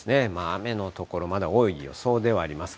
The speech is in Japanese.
雨の所、まだ多い予想ではあります。